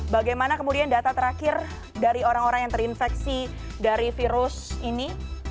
bagaimana kemudian data terakhir dari orang orang yang terinfeksi dari virus ini